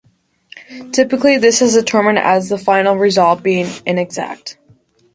Typically this is determined as the final result being inexact.